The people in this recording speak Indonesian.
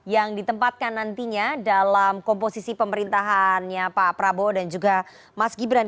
yang ditempatkan nantinya dalam komposisi pemerintahannya pak prabowo dan juga mas gibran